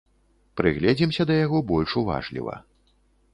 Прыгледзімся да яго больш уважліва.